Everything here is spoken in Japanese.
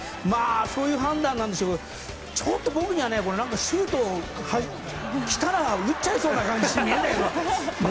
そういう判断なんでしょうけどちょっと僕にはシュート来たら打っちゃいそうな感じするんだけどね。